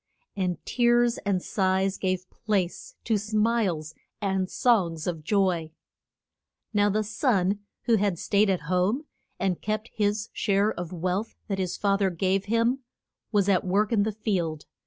And tears and sighs gave place to smiles and songs of joy. [Illustration: THE PROD I GAL'S RE TURN.] Now the son who had staid at home and kept his share of wealth that his fa ther gave him, was at work in the field.